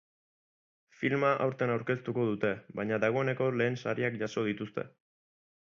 Filma aurten aurkeztuko dute, baina dagoeneko lehen sariak jaso dituzte.